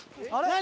何？